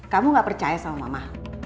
kamu gak percaya sama mama